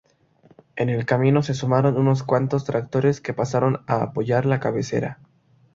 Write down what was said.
En el camino se sumaron unos cuantos tractores que pasaron a apoyar la cabecera.